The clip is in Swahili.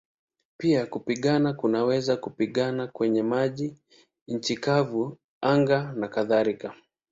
Pia kupigana kunaweza kupigana kwenye maji, nchi kavu, anga nakadhalika.